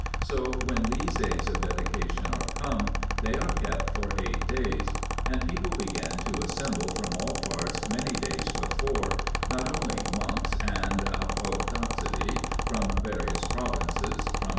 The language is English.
So when these days of dedication are come, they are kept for eight days. And people begin to assemble from all parts many days before ; not only monks 1 In the Old Arm.